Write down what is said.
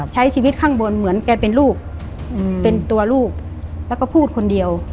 ใช้ชีวิตข้างบนเหมือนแกเป็นลูกเป็นตัวลูกแล้วก็พูดคนเดียว